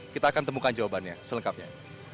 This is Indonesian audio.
kita akan temukan jawabannya selengkapnya